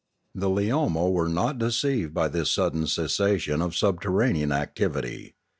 The Leomo were not deceived by this sudden cessa tion of subterranean activity.